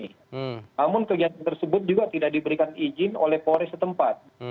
namun kegiatan tersebut juga tidak diberikan izin oleh polres setempat